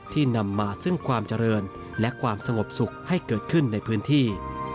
นำมาซึ่งความเจริญและความสงบสุขให้เกิดขึ้นในพื้นที่